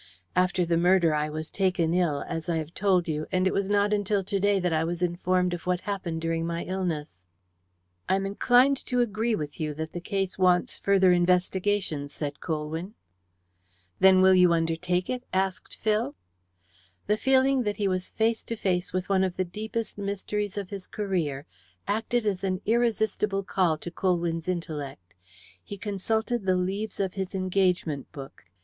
After the murder I was taken ill, as I have told you, and it was not until to day that I was informed of what happened during my illness." "I am inclined to agree with you that the case wants further investigation," said Colwyn. "Then will you undertake it?" asked Phil. The feeling that he was face to face with one of the deepest mysteries of his career acted as an irresistible call to Colwyn's intellect. He consulted the leaves of his engagement book.